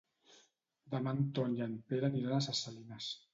Demà en Ton i en Pere aniran a Ses Salines.